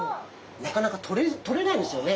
なかなか取れないんですよね